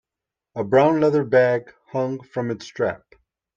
A brown leather bag hung from its strap.